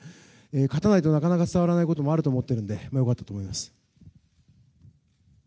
勝たないとなかなか伝わらないこともあると思っているので良かったと思います。